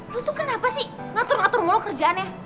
nih lo tuh kenapa sih ngatur ngatur mulu kerjaannya